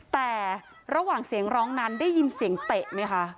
แต่ระหว่างเสียงร้องนั้นได้ยินเสียงเตะไหมคะ